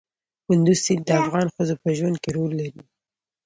کندز سیند د افغان ښځو په ژوند کې رول لري.